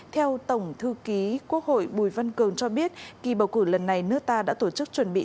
theo tổng thư ký quốc hội bùi văn cường cho biết kỳ bầu cử lần này nước ta đã tổ chức chuẩn bị